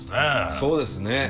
そうですね。